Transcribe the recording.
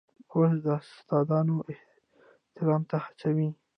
کورس د استادانو احترام ته هڅوي.